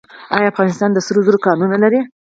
آیا افغانستان د سرو زرو کانونه لري؟